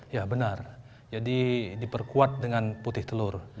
ya benar jadi diperkuat dengan putih telur